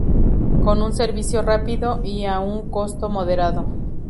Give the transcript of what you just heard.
Con un servicio rápido y a un costo moderado.